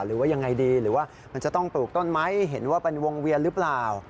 หรือว่ายังไงดีหรือว่ามันจะต้องปลูกต้นไม้เห็นว่าเป็นวงเวียนหรือเปล่า